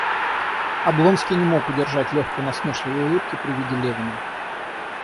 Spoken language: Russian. Облонский не мог удержать легкой насмешливой улыбки при виде Левина.